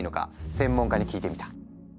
専門家に聞いてみた。